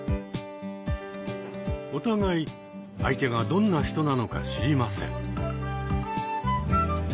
お互い相手がどんな人なのか知りません。